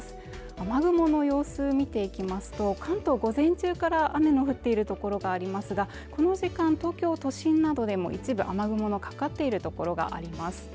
雨雲の様子見ていきますと関東午前中から雨の降っている所がありますがこの時間東京都心などでも一部雨雲のかかっている所があります